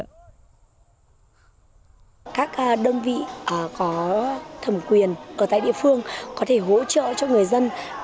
các đơn vị có thẩm quyền ở tại địa phương có thể hỗ trợ cho người dân